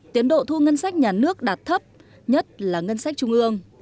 tiến độ thu ngân sách nhà nước đạt thấp nhất là ngân sách trung ương